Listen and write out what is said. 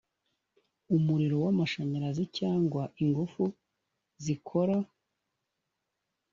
umuriro w amashanyarazi cyangwa ingufu zikora